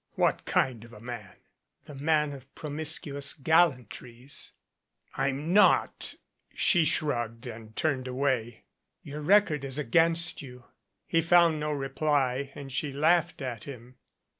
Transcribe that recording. "What kind of a man?" "The man of promiscuous gallantries." "I'm not " She shrugged and turned away. "Your record is against you." He found no reply and she laughed at him.